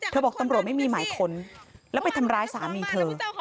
บอกตำรวจไม่มีหมายค้นแล้วไปทำร้ายสามีเธอ